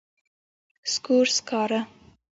سکور، سکارۀ